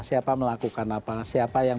siapa melakukan apa siapa yang